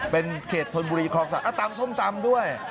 เป็นเขตธนบุรีคลองศาลตำส้มตำด้วย